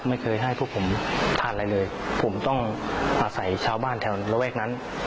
ไม่เคยให้พวกผมทานอะไรเลยผมต้องอาศัยชาวบ้านแถวระแวกนั้น